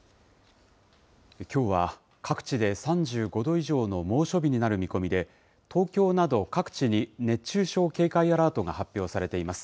きょうは、各地で３５度以上の猛暑日になる見込みで、東京など各地に熱中症警戒アラートが発表されています。